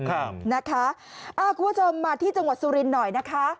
ครับนะฮะคุณผู้ชมมาที่จังหวัดสุรินตร์หน่อยนะฮะ